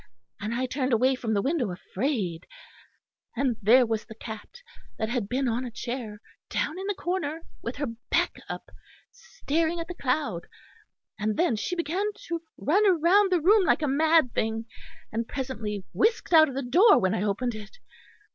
And I turned away from the window afraid; and there was the cat, that had been on a chair, down in the corner, with her back up, staring at the cloud: and then she began to run round the room like a mad thing, and presently whisked out of the door when I opened it.